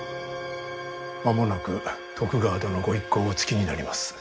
間もなく徳川殿御一行お着きになります。